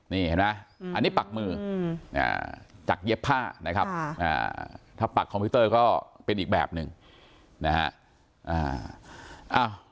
นี่เห็นไหมอันนี้ปักมือจากเย็บผ้านะครับถ้าปักคอมพิวเตอร์ก็เป็นอีกแบบหนึ่งนะฮะ